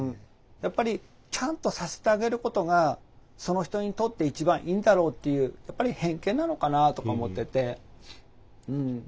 やっぱりちゃんとさせてあげることがその人にとって一番いいんだろうっていうやっぱり偏見なのかなあとか思ってて。